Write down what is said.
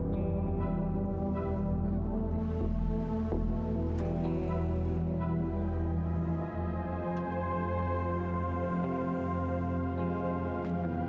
siapa udah di getar kebun